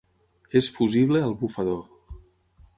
És fusible al bufador.